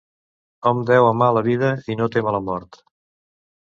Hom deu amar la vida i no témer la mort.